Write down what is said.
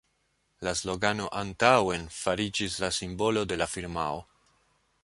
La slogano «Antaŭen!» fariĝis la simbolo de la firmao.